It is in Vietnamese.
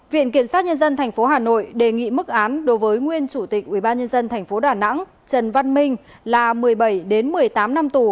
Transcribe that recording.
viện kiểm sát nhân dân tp hà nội đề nghị mức án đối với nguyên chủ tịch ubnd tp đà nẵng trần văn minh là một mươi bảy một mươi tám năm tù